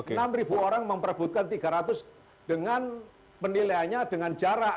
enam ribu orang memperebutkan tiga ratus dengan penilaiannya dengan jarak